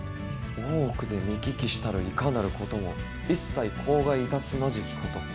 大奥で見聞きしたるいかなることも一切口外いたすまじきこと。